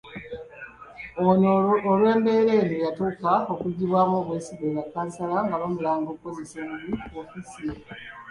Ono olw’embeera eno yatuuka n’okuggyibwamu obwesige bakkansala nga bamulanga okukozesa obubi woofiisi ye.